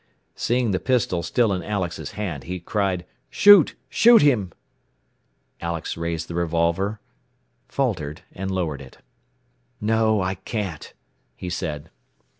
Seeing the pistol still in Alex's hand, he cried, "Shoot! Shoot him!" Alex raised the revolver, faltered, and lowered it. "No. I can't," he said.